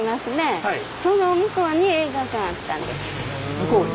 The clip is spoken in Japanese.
向こうに？